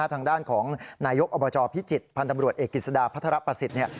ทางด้านของนายกอบจพิจิตรพันธ์ตำรวจเอกกิจสดาพัทรประสิทธิ์